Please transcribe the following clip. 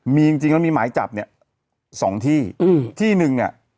มีจริงจริงแล้วมีหมายจับเนี่ยสองที่ที่หนึ่งเนี่ย